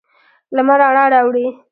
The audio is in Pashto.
لمر رڼا راوړي.